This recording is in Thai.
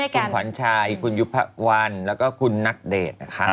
คุณขวัญชัยคุณยุพวันแล้วก็คุณนักเดชนะคะ